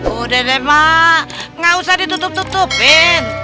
udah deh mah gak usah ditutup tutupin